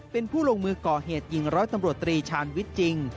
เป็นผู้ลงมือก่อเหตุยิงร้อยตำรวจตรีชาญวิทย์จริง